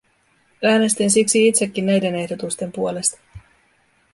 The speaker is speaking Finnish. Äänestin siksi itsekin näiden ehdotusten puolesta.